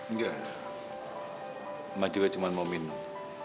enggak cuma juga cuma mau minum